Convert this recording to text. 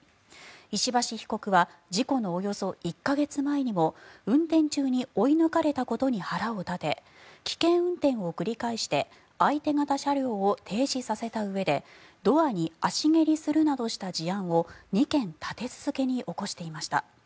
石橋被告は事故のおよそ１か月前にも運転中に追い抜かれたことに腹を立て危険運転を繰り返して相手方車両を停止させたうえでドアに足蹴りするなどした事案を２件立て続けに起こしていました。